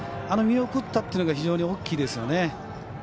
あれを見送ったというのが非常に大きいですよね。